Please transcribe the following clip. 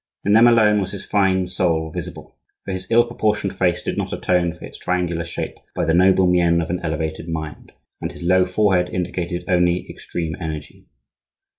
In them alone was his fine soul visible; for his ill proportioned face did not atone for its triangular shape by the noble mien of an elevated mind, and his low forehead indicated only extreme energy.